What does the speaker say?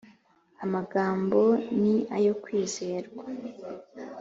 amagambo ni ayo kwizerwa